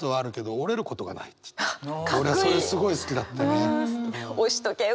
俺それすごい好きだったね。